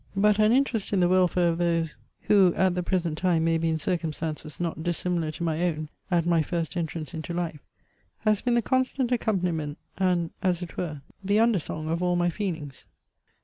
But an interest in the welfare of those, who at the present time may be in circumstances not dissimilar to my own at my first entrance into life, has been the constant accompaniment, and (as it were) the under song of all my feelings.